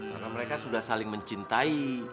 karena mereka sudah saling mencintai